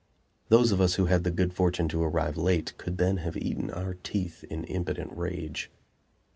Those of us who had the good fortune to arrive late could then have eaten our teeth in impotent rage.